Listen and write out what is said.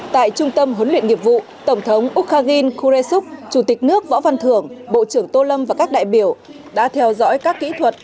tại trung tâm huấn luyện nghiệp vụ tổng thống úc khang in khure súc chủ tịch nước võ văn thưởng bộ trưởng tô lâm và các đại biểu đã theo dõi các kỹ thuật